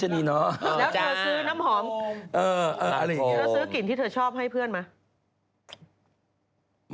ซื้อกลิ่นที่ทิชชอบให้เพื่อนไหม